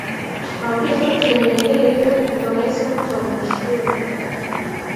ababyeyi tutakiri mu idini rimwe, ubwo nahise nkurwa mu ishuri,